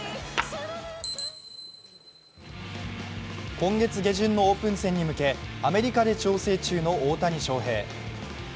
今月下旬のオープン戦に向けアメリカで調整中の大谷翔平。